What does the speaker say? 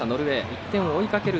１点を追いかける